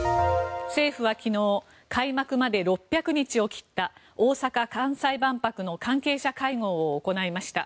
政府は昨日開幕まで６００日を切った大阪・関西万博の関係者会合を行いました。